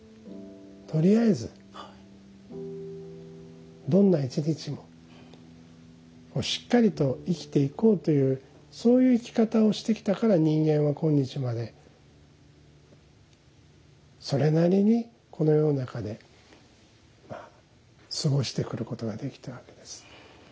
とりあえずどんな１日もしっかりと生きていこうというそういう生き方をしてきたから人間は今日までそれなりにこの世の中でまあ過ごしてくることができたわけです。